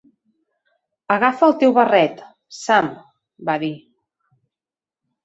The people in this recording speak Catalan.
"Agafa el teu barret, Sam", va dir.